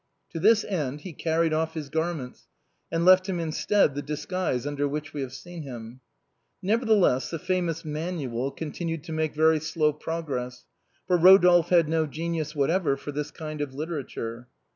To this end he carried off his garments, and left him instead the disguise under which we have seen him. Nevertheless, the famous " Manual " continued to make very slow pro gress, for Eodolphe had no genius whatever for this kind of literature.